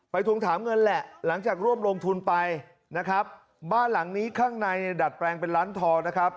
ทวงถามเงินแหละหลังจากร่วมลงทุนไปนะครับบ้านหลังนี้ข้างในเนี่ยดัดแปลงเป็นร้านทองนะครับ